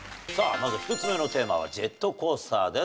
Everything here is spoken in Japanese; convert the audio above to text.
まず１つ目のテーマはジェットコースターです。